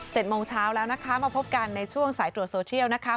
โมงเช้าแล้วนะคะมาพบกันในช่วงสายตรวจโซเชียลนะคะ